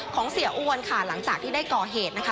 เสียอ้วนค่ะหลังจากที่ได้ก่อเหตุนะคะ